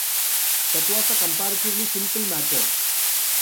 That was a comparatively simple matter.